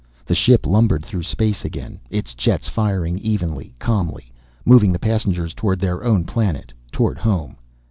The ship lumbered through space again, its jets firing evenly, calmly, moving the passengers toward their own planet, toward home.